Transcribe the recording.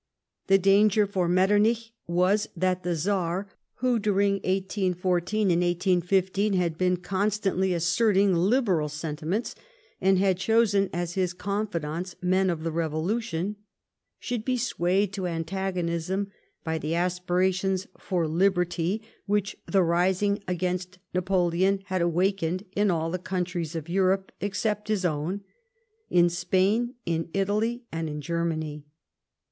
The danger for Metternich was that the Czar, who, during 1814 15, had been constantly asserting liberal sentiments, and had chosen as his confidants men of the Revolution, should be swayed to antagonism by the aspirations for liberty which the rising against Napo leon had awakened in all the countries of Europe except his own, in Spain, in Italy, and in Germany.